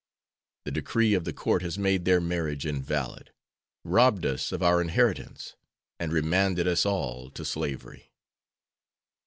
The decree of the court has made their marriage invalid, robbed us of our inheritance, and remanded us all to slavery.